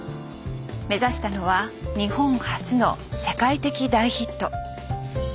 目指したのは日本初の世界的大ヒット。